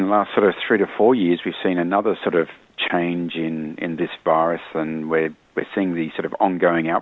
dan kita melihat perubahan yang berlangsung di eropa tengah